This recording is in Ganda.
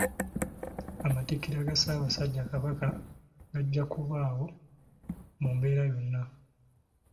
Amatikkira ga Ssaabasajja Kabaka gajja okubaawo mu mbeera yonna.